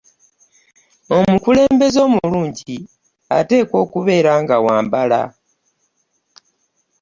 omukulembeze omulungi stejwa okubeera nga wa mbala